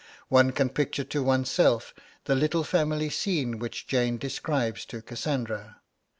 One can picture to oneself the little family scene which Jane describes to Cassandra.